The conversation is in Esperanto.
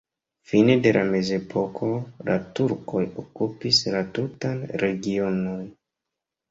Fine de la mezepoko la turkoj okupis la tutan regionon.